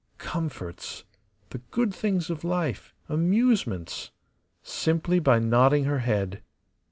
Comforts, the good things of life, amusements simply by nodding her head.